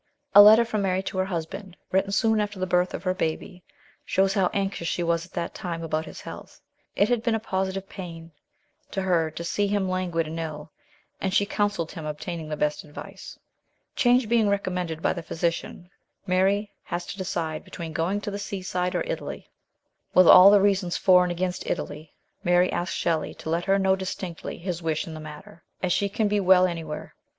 A letter from Mary to her husband, written soon after the birth of her baby, shows how anxious she was at that time about his health. It had been a positive pain to her to see him languid and ill, and she counselled him obtaining the best advice. Change being recommended by the physician, Mary has to decide between going to the seaside or Italy. With all the reasons for and against Italy, Mary asks Shelley to let her know distinctly his wish in the matter, as she can be well anywhere.